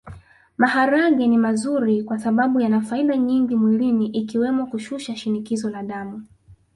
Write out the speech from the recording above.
Maharage ni mazuri kwasababu yana faida nyingi mwilini ikiwemo kushusha shinikizo la damu